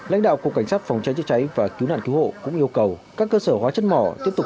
lãnh đạo cục cảnh sát phòng cháy chữa cháy và cứu nạn cứu hộ cũng yêu cầu